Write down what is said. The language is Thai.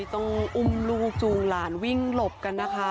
ต้องอุ้มลูกจูงหลานวิ่งหลบกันนะคะ